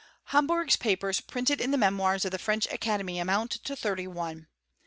Romberg's papers printed in the Memoirs of tha French Academy amount to thirty one.